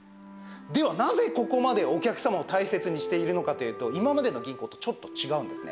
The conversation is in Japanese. では、なぜここまでお客様を大切にしているのかというと今までの銀行とちょっと違うんですね。